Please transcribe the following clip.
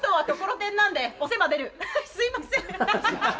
すいません！